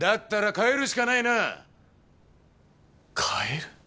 変える？